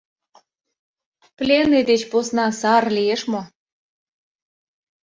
Пленный деч посна сар лиеш мо?